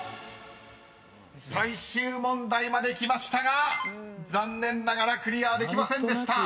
［最終問題まで来ましたが残念ながらクリアできませんでした］